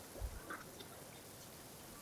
担任广西花红药业股份有限公司董事长。